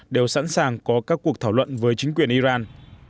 đều sẵn sàng có các cuộc thảo luận với chính quyền iran